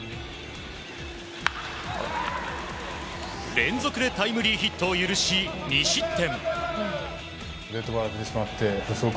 連続でタイムリーヒットを許し２失点。